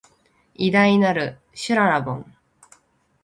偉大なる、しゅららぼん